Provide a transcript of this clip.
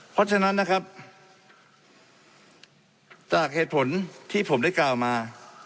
เพราะฉะนั้นนะครับจากเหตุผลที่ผมได้กล่าวมา